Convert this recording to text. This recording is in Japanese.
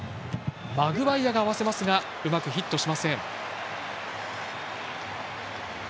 マグワイアが合わせますがうまくヒットしません。